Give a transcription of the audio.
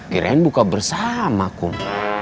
kirain buka bersama kum